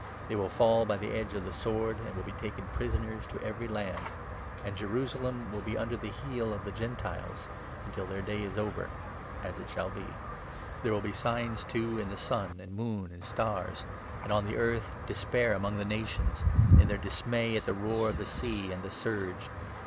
They will fall by the edge 24 of the sword, and will be taken prisoners to every land, and 'Jerusalem will be under the heel of the Gentiles,' until their day is over — as it shall be. There will be signs, too, in the 25 sun and moon and stars, and on the earth despair among the nations, in their dismay at the roar of the sea and the surge.